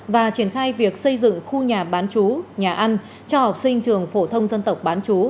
và triển khai việc xây dựng khu nhà bán chú nhà ăn cho học sinh trường phổ thông dân tộc bán chú